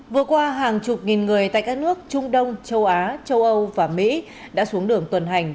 vừa qua hàng chục nghìn người tại các nước trung đông châu á châu âu và mỹ đã xuống đường tuần hành